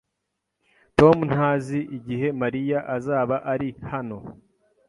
Tom ntazi igihe Mariya azaba ari hano